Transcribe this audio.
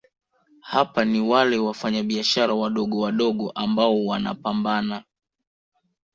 hapa ni wale Wafanyabiashara wadogowadogo ambao wanapambana